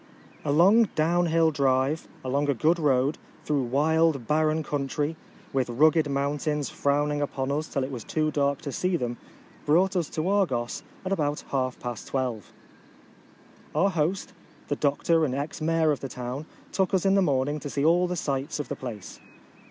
A long down hill drive, along a good road, through wild barren country, with rugged mountains frowning upon us till it was too dark to see them, brought us to Argos, at about half past twelve. Our host, the doctor and ex mayor of the town, took us in the morning to see all the sights of the place.